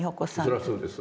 それはそうですわ。